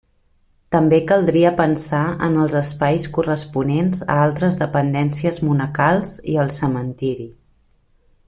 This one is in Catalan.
També caldria pensar en els espais corresponents a altres dependències monacals i al cementiri.